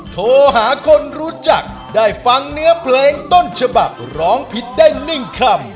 โทรหาคนรู้จักได้ฟังเนื้อเพลงต้นฉบับร้องผิดได้๑คำ